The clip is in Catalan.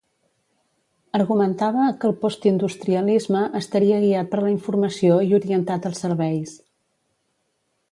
Argumentava que el postindustrialisme estaria guiat per la informació i orientat als serveis.